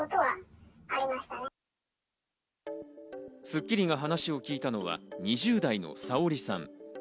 『スッキリ』が話を聞いたのは２０代のさおりさん。